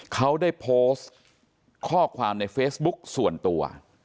เขาได้โพสต์ข้อความในเฟซบุ๊กส่วนตัว